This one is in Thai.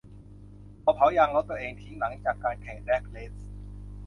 เขาเผายางรถตัวเองทิ้งหลังจากการแข่งแดร๊กเรซ